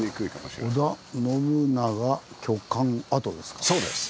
「織田信長居館跡」ですか。